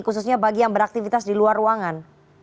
khususnya bagi yang beraktivitas di luar ruangan